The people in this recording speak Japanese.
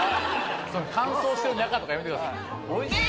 「乾燥してる中」とかやめてください。